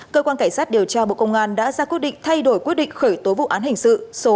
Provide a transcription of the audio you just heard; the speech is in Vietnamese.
cơ quan cảnh sát điều tra bộ công an đã ra quyết định thay đổi quyết định khởi tối vụ án hình sự số sáu